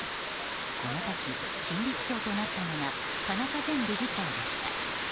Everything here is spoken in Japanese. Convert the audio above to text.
この時、新理事長となったのが田中前理事長でした。